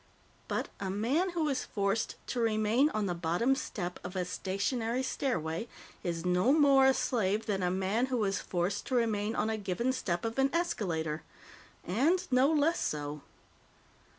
But a man who is forced to remain on the bottom step of a stationary stairway is no more a slave than a man who is forced to remain on a given step of an escalator, and no less so.